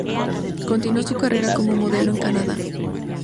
Continuó su carrera como modelo en Canadá.